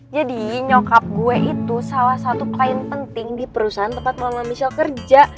jadi nyokap gue itu salah satu klien penting di perusahaan tempat mama michelle kerja